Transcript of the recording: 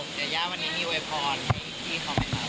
แต่ย่าวันนี้มีวัยพรอีกทีเขาไม่มาแล้ว